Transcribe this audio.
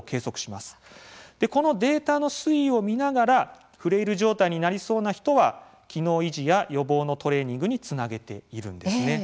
このデータの推移を見ながらフレイル状態になりそうな人は機能維持や予防のトレーニングにつなげているんです。